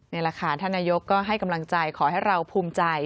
นี่แหละค่ะท่านนายกก็ให้กำลังใจขอให้เราภูมิใจ